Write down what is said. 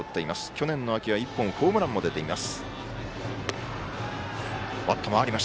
去年の秋は、１本ホームランも出ています。